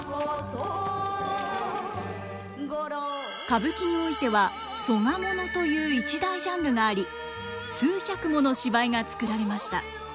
歌舞伎においては「曽我もの」という一大ジャンルがあり数百もの芝居が作られました。